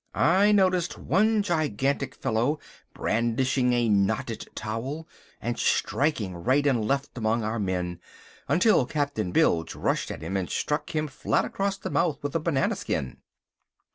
I noticed one gigantic fellow brandishing a knotted towel, and striking right and left among our men, until Captain Bilge rushed at him and struck him flat across the mouth with a banana skin.